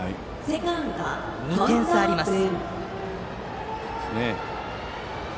２点差あります。